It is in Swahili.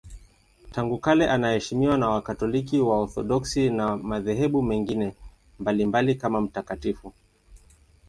Tangu kale anaheshimiwa na Wakatoliki, Waorthodoksi na madhehebu mengine mbalimbali kama mtakatifu.